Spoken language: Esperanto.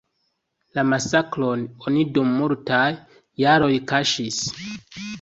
La masakron oni dum multaj jaroj kaŝis.